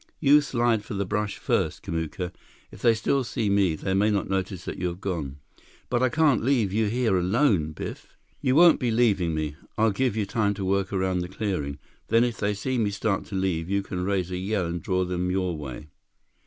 You slide for the brush first, Kamuka. If they still see me, they may not notice that you have gone." "But I can't leave you here alone, Biff." "You won't be leaving me. I'll give you time to work around the clearing. Then if they see me start to leave, you can raise a yell and draw them your way."